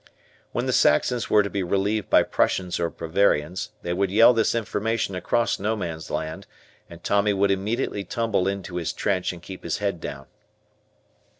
When the Saxons were to be relieved by Prussians or Bavarians, they would yell this information across No Man's Land and Tommy would immediately tumble into his trench and keep his head down.